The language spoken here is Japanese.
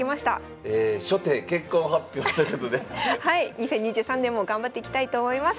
２０２３年も頑張っていきたいと思います。